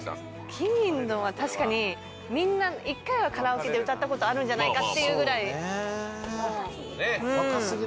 金銀銅は確かにみんな一回はカラオケで歌ったことあるんじゃないかっていうぐらいもううん。